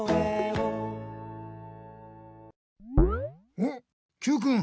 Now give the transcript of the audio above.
あっＱくん